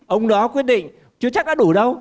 ông đó quyết định chưa chắc đã đủ đâu